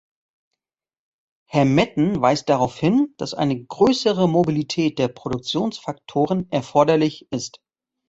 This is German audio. Herr Metten weist darauf hin, dass eine größere Mobilität der Produktionsfaktoren erforderlich ist.